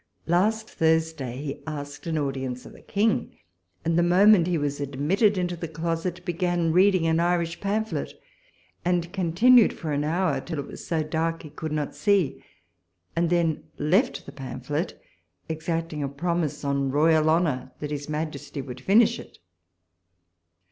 Last Thursday he asked an audience of the King, and, the moment he was admitted into the closet, began reading an Irish pamphlet, and continued for an hour, till it was so dark he could not see ; and then left the pamphlet, exacting a promise on royal honour that his Majesty would finish it.